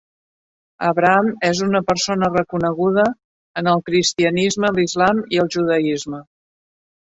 Abraham és una persona reconeguda en el cristianisme, l'islam i el judaisme.